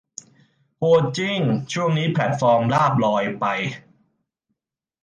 โหดจริง ช่วงนี้แพลตฟอร์มลาภลอยไป